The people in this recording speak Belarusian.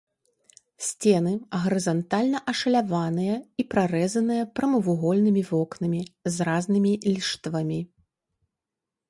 Сцены гарызантальна ашаляваныя і прарэзаныя прамавугольнымі вокнамі з разнымі ліштвамі.